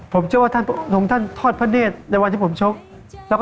ผมเชื่อว่าพระองค์ท่านทอดพระเนธในวันที่ผมชก